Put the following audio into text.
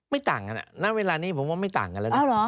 ต่างกันณเวลานี้ผมว่าไม่ต่างกันแล้วนะ